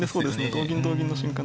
同銀同銀の瞬間